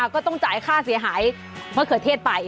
ก็ต้องจ่ายค่าเสียหายมะเขือเทศไป